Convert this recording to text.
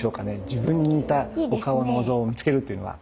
自分に似たお顔のお像を見つけるっていうのは？